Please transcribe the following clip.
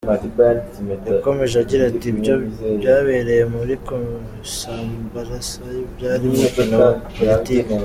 Yakomeje agira ati “Ibyo byabereye muri Kasumbalesa byari umukino wa politiki.